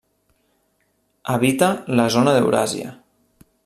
Habita la zona d'Euràsia.